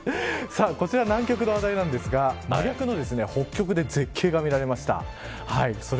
さあ、こちら南極の話題なんですが真逆の北極で絶景が見られました。